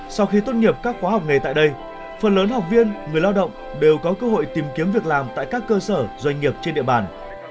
sau khi tốt nghiệp các khóa học nghề tại đây phần lớn học viên người lao động đều có cơ hội tìm kiếm việc làm tại các cơ sở doanh nghiệp trên địa bàn